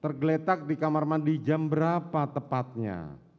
tergeletak di kamar mandi jam berapa tepatnya